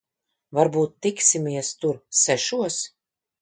Varbūt tiksimies tur sešos?